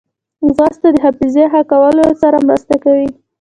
ځغاسته د حافظې ښه کولو سره مرسته کوي